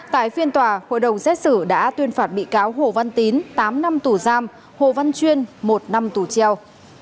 tại phiên tòa hội đồng xét xử đã tuyên phạt bị cáo hồ văn tín tám năm tù giam hồ văn chuyên một năm tù treo